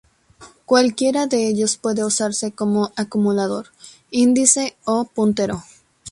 Cualquiera de ellos puede usarse como acumulador, índice o puntero.